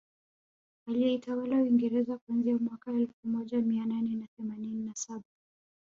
Aliyeitawala Uingereza kuanzia mwaka elfu moja Mia nane na themanini na saba